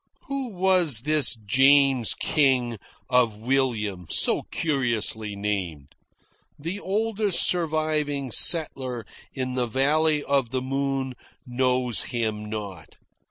Who was this James King of William, so curiously named? The oldest surviving settler in the Valley of the Moon knows him not.